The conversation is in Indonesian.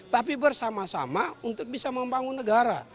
tapi bersama sama untuk bisa membangun negara